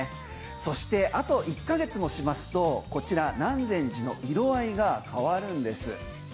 そして、あと１か月もしますとこちら南禅寺の色合いが変わるんです。